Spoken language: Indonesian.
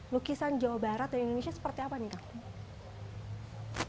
lukisan jawa barat dan indonesia seperti apa nih kang